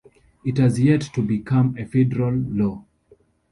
It has yet to become a federal law.